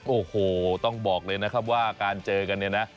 โอ้โหต้องบอกเลยนะครับว่าการเจอกันเนี่ยนะ